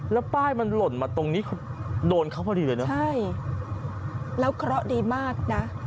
แล้วป้ายมันหล่นมาตรงนี้โดนเขาพอดีเลยนะใช่แล้วเคราะห์ดีมากนะ